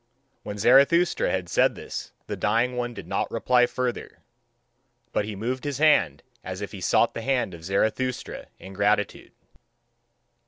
When Zarathustra had said this the dying one did not reply further; but he moved his hand as if he sought the hand of Zarathustra in gratitude.